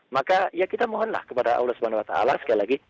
maka ya kita mohonlah kepada allah swt sekali lagi